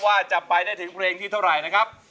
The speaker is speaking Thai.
ว่าจะไปได้ถึงเพลงที่เท่าไหร่นะครับ